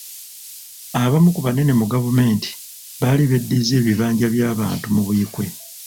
Abamu ku banene mu gavumenti baali beddiza ebibanja by'abantu mu Buikwe.